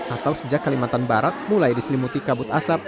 atau sejak kalimantan barat mulai diselimuti kabut asap